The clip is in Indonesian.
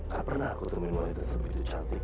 tak pernah aku temui wanita sebegitu cantik